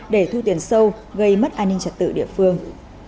để thu tiền sâu gây mất an ninh trật tự địa phương